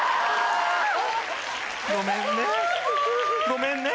ごめんね。